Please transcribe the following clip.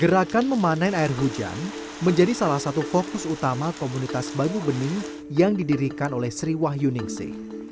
gerakan memanen air hujan menjadi salah satu fokus utama komunitas banyu bening yang didirikan oleh sri wahyu ningsi